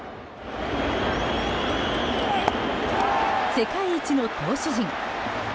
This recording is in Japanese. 世界一の投手陣。